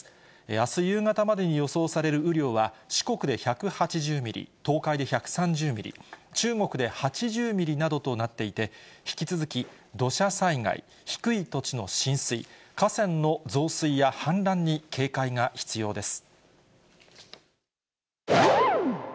あす夕方までに予想される雨量は四国で１８０ミリ、東海で１３０ミリ、中国で８０ミリなどとなっていて、引き続き土砂災害、低い土地の浸水、河川の増水や氾濫に警戒が必要です。